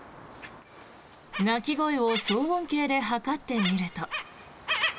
鳴き声を騒音計で測ってみると。